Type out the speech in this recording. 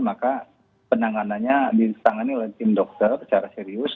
maka penanganannya ditangani oleh tim dokter secara serius